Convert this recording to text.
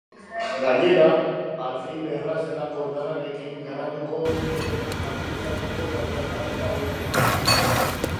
Gainera, alzheimerra zelako indarrarekin garatuko den jakin dezakegu eta bere garapena aurrikusi.